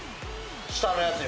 下のやつに。